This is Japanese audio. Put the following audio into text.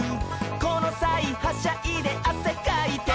「このさいはしゃいであせかいて」